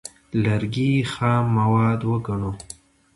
لرګي خام مواد وګڼو.